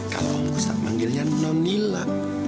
kalau om gustaf manggilnya nonnila